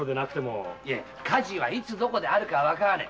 火事はいつ・どこであるかわからねえ。